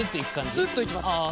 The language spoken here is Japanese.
スッといきます。